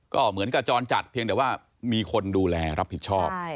ก็เหมือนกับจรจัดเพียงแต่ว่ามีคนดูแลรับผิดชอบ